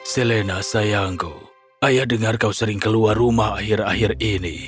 selena sayangku ayah dengar kau sering keluar rumah akhir akhir ini